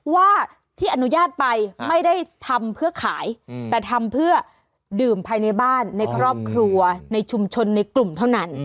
ว่าที่อนุญาตไปไม่ได้ทำเพื่อขายแต่ทำเพื่อดื่มภายในบ้านในครอบครัวในชุมชนในกลุ่มเท่านั้น